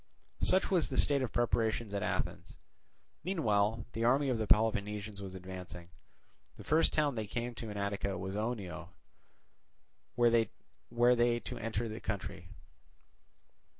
Such was the state of preparation at Athens. Meanwhile the army of the Peloponnesians was advancing. The first town they came to in Attica was Oenoe, where they to enter the country.